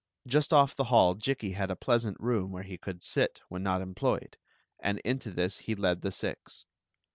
Just off the hall Jikki had a pleasant room where he could sit when not employed, and into this he led the six.